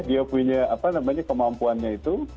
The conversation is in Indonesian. dia punya apa namanya kemampuannya itu